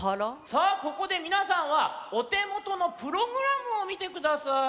さあここでみなさんはおてもとのプログラムをみてください。